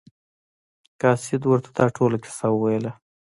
قاصد ورته دا ټوله کیسه وویله.